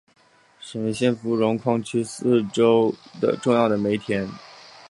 珙县芙蓉矿区是四川省重要的煤田。